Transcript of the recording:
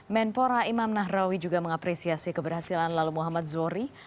menpora imam nahrawi juga mengapresiasi keberhasilan lalu muhammad zohri